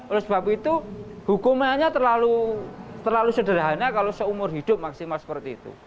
oleh sebab itu hukumannya terlalu sederhana kalau seumur hidup maksimal seperti itu